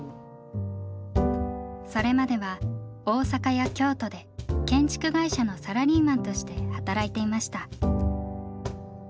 それまでは大阪や京都で建築会社のサラリーマンとして働いていました。